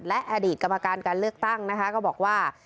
และอดีตกรรมการการเลือกตั้งนะคะก็บอกว่า